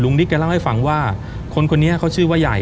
ลุงศักดิ์แกเล่าให้ฟังว่าคนเนี่ยเขาชื่อว่าใหญ่